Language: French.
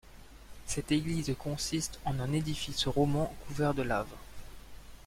Cette église consiste en un édifice roman couvert de laves.